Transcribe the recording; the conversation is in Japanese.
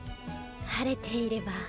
晴れていれば。